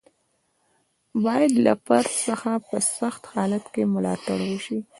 باید له فرد څخه په سخت حالت کې ملاتړ وشي.